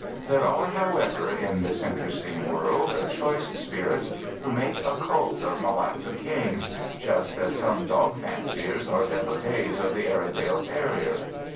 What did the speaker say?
There are, however, in this interesting world choice spirits who make a cult of Malacca canes, just as some dog fanciers are devotees of the Airedale terrier.